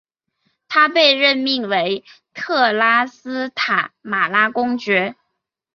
他被任命为特拉斯塔马拉公爵。